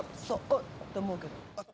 おっと思うけど。